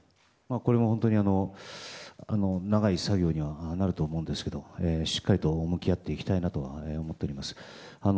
これも本当に長い作業になるとは思うんですがしっかりと向き合っていきたいなと思っております。